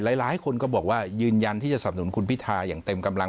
หลายคนก็บอกว่ายืนยันที่จะสับหนุนคุณพิธาอย่างเต็มกำลัง